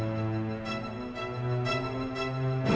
kamu jadi penggemar berat adik kamu